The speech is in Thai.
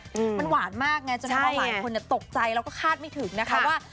อืมมันหวานมากไงจนทำให้หลายคนตกใจแล้วก็คาดไม่ถึงนะคะว่า